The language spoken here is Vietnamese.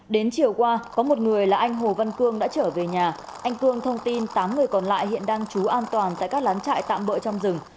đến chiều qua có một người là anh hồ văn cương đã trở về nhà anh cương thông tin tám người còn lại hiện đang trú an toàn tại các lán trại tạm bỡ trong rừng